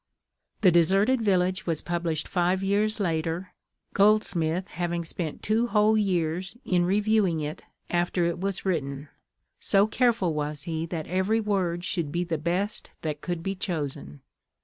The "Deserted Village" was published five years later, Goldsmith having spent two whole years in reviewing it after it was written, so careful was he that every word should be the best that could be chosen.